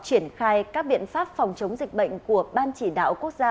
triển khai các biện pháp phòng chống dịch bệnh của ban chỉ đạo quốc gia